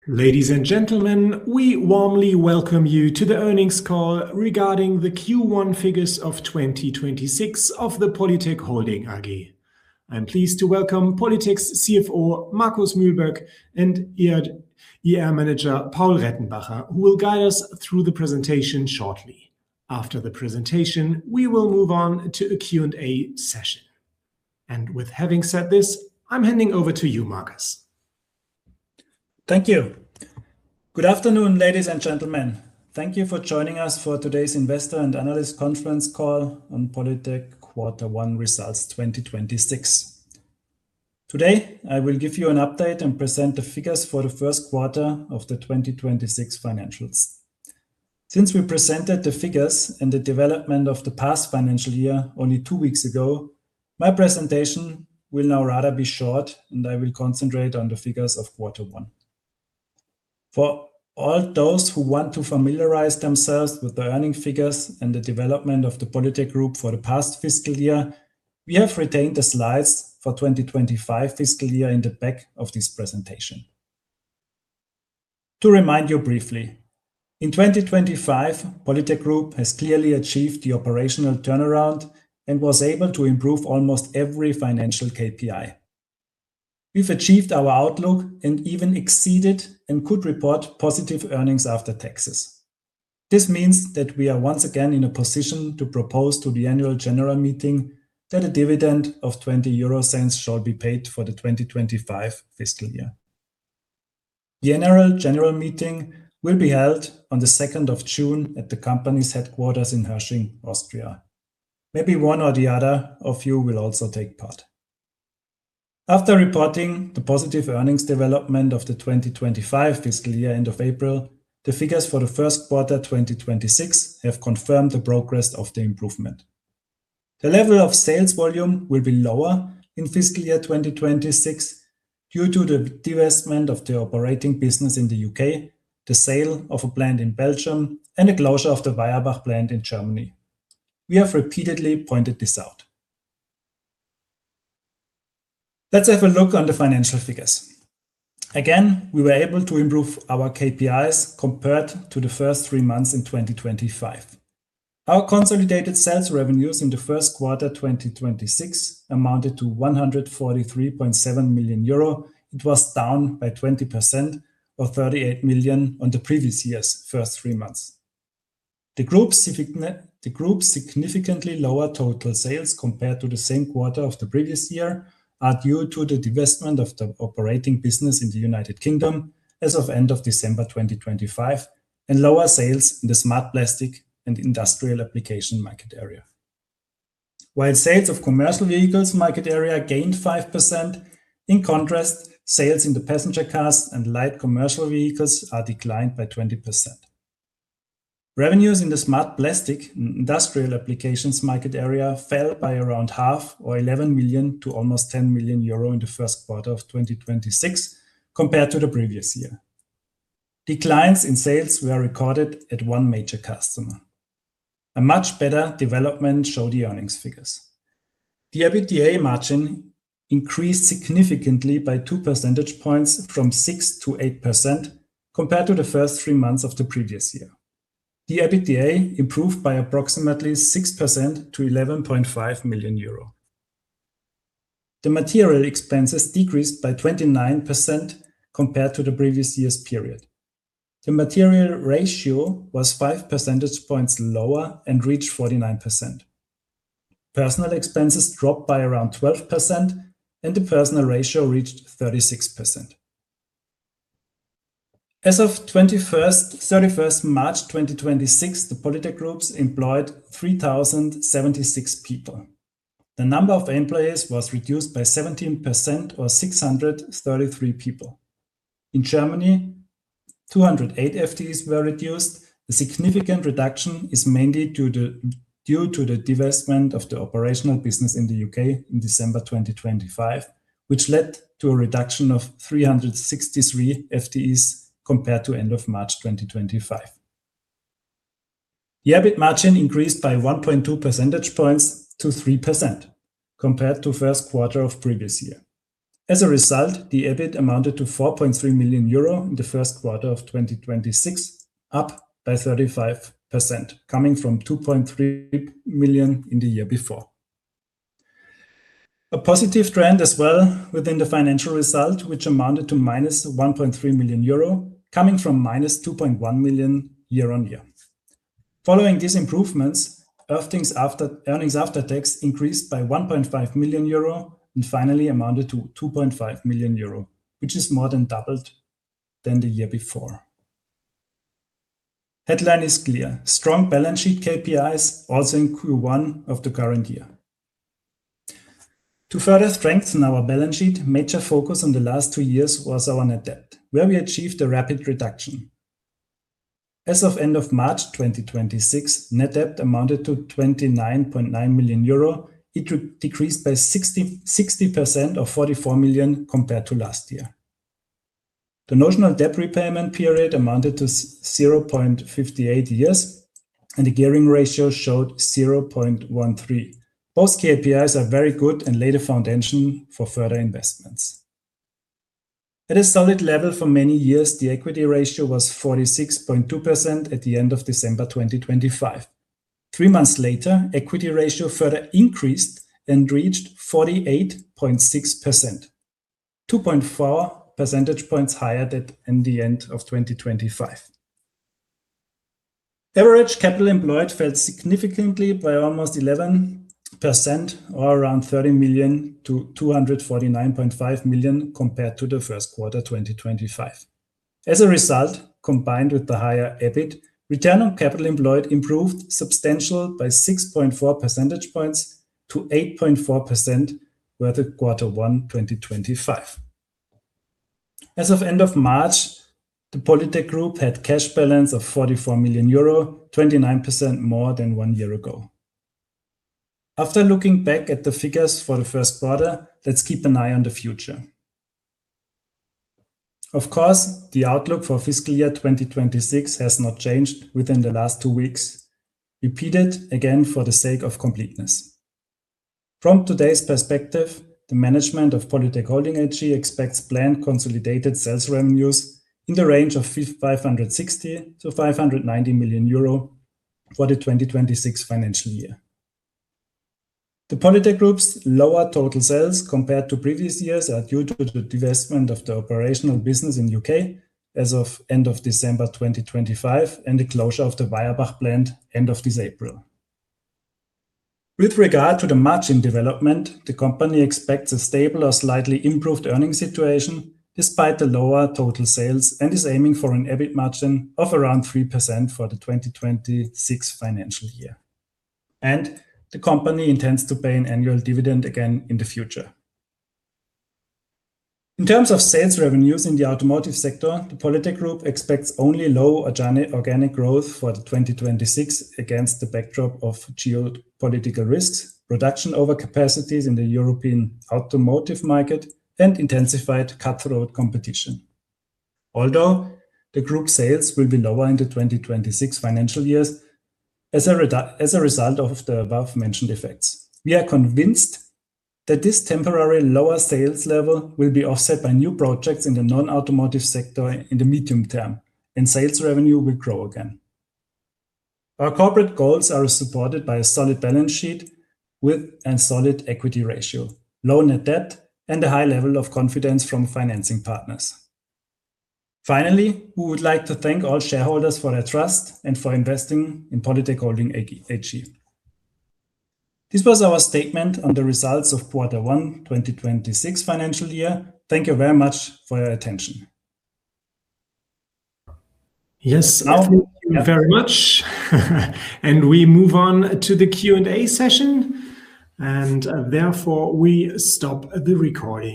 Ladies and gentlemen, we warmly welcome you to the earnings call regarding the Q1 figures of 2026 of the POLYTEC Holding AG. I'm pleased to welcome POLYTEC's CFO, Markus Mühlböck, and IR Manager, Paul Rettenbacher, who will guide us through the presentation shortly. After the presentation, we will move on to a Q&A session. With having said this, I'm handing over to you, Markus. Thank you. Good afternoon, ladies and gentlemen. Thank you for joining us for today's investor and analyst conference call on POLYTEC Q1 results 2026. Today, I will give you an update and present the figures for the first quarter of the 2026 financials. Since we presented the figures and the development of the past financial year only two weeks ago, my presentation will now rather be short, and I will concentrate on the figures of Q1. For all those who want to familiarize themselves with the earning figures and the development of the POLYTEC GROUP for the past fiscal year, we have retained the slides for 2025 fiscal year in the back of this presentation. To remind you briefly, in 2025, POLYTEC GROUP has clearly achieved the operational turnaround and was able to improve almost every financial KPI. We've achieved our outlook and even exceeded and could report positive earnings after taxes. This means that we are once again in a position to propose to the annual general meeting that a dividend of 0.20 shall be paid for the 2025 fiscal year. The annual general meeting will be held on the 2nd of June at the company's headquarters in Hörsching, Austria. Maybe one or the other of you will also take part. After reporting the positive earnings development of the 2025 fiscal year, end of April, the figures for the first quarter 2026 have confirmed the progress of the improvement. The level of sales volume will be lower in fiscal year 2026 due to the divestment of the operating business in the U.K., the sale of a plant in Belgium, and the closure of the Weierbach plant in Germany. We have repeatedly pointed this out. Let's have a look on the financial figures. Again, we were able to improve our KPIs compared to the first three months in 2025. Our consolidated sales revenues in the first quarter 2026 amounted to 143.7 million euro. It was down by 20% or 38 million on the previous year's first three months. The group's significantly lower total sales compared to the same quarter of the previous year are due to the divestment of the operating business in the United Kingdom as of end of December 2025 and lower sales in the Smart Plastics & Industrial Applications market area. While sales of commercial vehicles market area gained 5%, in contrast, sales in the passenger cars and light commercial vehicles are declined by 20%. Revenues in the Smart Plastics & Industrial Applications market area fell by around half or 11 million to almost 10 million euro in the first quarter of 2026 compared to the previous year. Declines in sales were recorded at one major customer. A much better development showed the earnings figures. The EBITDA margin increased significantly by 2 percentage points from 6%-8% compared to the first three months of the previous year. The EBITDA improved by approximately 6% to 11.5 million euro. The material expenses decreased by 29% compared to the previous year's period. The material ratio was 5 percentage points lower and reached 49%. Personnel expenses dropped by around 12%, and the personnel ratio reached 36%. As of 31st March 2026, the POLYTEC GROUP employed 3,076 people. The number of employees was reduced by 17% or 633 people. In Germany, 208 FTEs were reduced. The significant reduction is mainly due to the divestment of the operational business in the U.K. in December 2025, which led to a reduction of 363 FTEs compared to end of March 2025. The EBIT margin increased by 1.2 percentage points to 3% compared to first quarter of previous year. As a result, the EBIT amounted to 4.3 million euro in the first quarter of 2026, up by 35%, coming from 2.3 million in the year before. A positive trend as well within the financial result, which amounted to -1.3 million euro, coming from -2.1 million year-on-year. Following these improvements, earnings after tax increased by 1.5 million euro and finally amounted to 2.5 million euro, which is more than doubled than the year before. Headline is clear. Strong balance sheet KPIs also in Q1 of the current year. To further strengthen our balance sheet, major focus on the last two years was our net debt, where we achieved a rapid reduction. As of end of March 2026, net debt amounted to 29.9 million euro. It decreased by 60% or 44 million compared to last year. The notional debt repayment period amounted to 0.58 years. The gearing ratio showed 0.13. Both KPIs are very good and lay the foundation for further investments. At a solid level for many years, the equity ratio was 46.2% at the end of December 2025. Three months later, equity ratio further increased and reached 48.6%, 2.4 percentage points higher than in the end of 2025. Average capital employed fell significantly by almost 11% or around 30 million- 249.5 million compared to the first quarter 2025. As a result, combined with the higher EBIT, return on capital employed improved substantial by 6.4 percentage points to 8.4% for the quarter one 2025. As of end of March, the POLYTEC GROUP had cash balance of 44 million euro, 29% more than one year ago. After looking back at the figures for the first quarter, let's keep an eye on the future. Of course, the outlook for fiscal year 2026 has not changed within the last two weeks. Repeat it again for the sake of completeness. From today's perspective, the management of POLYTEC Holding AG expects planned consolidated sales revenues in the range of 560 million-590 million euro for the 2026 financial year. The POLYTEC GROUP's lower total sales compared to previous years are due to the divestment of the operational business in U.K. as of end of December 2025 and the closure of the Weierbach plant end of this April. With regard to the margin development, the company expects a stable or slightly improved earning situation despite the lower total sales and is aiming for an EBIT margin of around 3% for the 2026 financial year. The company intends to pay an annual dividend again in the future. In terms of sales revenues in the automotive sector, the POLYTEC GROUP expects only low organic growth for 2026 against the backdrop of geopolitical risks, production overcapacities in the European automotive market and intensified cutthroat competition. Although the group sales will be lower in the 2026 financial years as a result of the above-mentioned effects. We are convinced that this temporary lower sales level will be offset by new projects in the non-automotive sector in the medium term and sales revenue will grow again. Our corporate goals are supported by a solid balance sheet with a solid equity ratio, low net debt and a high level of confidence from financing partners. Finally, we would like to thank all shareholders for their trust and for investing in POLYTEC Holding AG. This was our statement on the results of quarter one, 2026 financial year. Thank you very much for your attention. Yes. Thank you very much. We move on to the Q&A session, and therefore we stop the recording.